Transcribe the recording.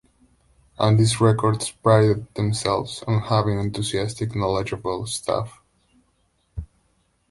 Andys Records prided themselves on having enthusiastic knowledgeable staff.